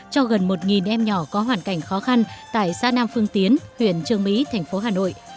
cho gần một em nhỏ có hoàn cảnh khó khăn tại xã nam phương tiến huyện trương mỹ thành phố hà nội